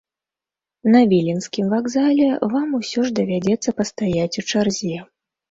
На віленскім вакзале вам усё ж давядзецца пастаяць у чарзе.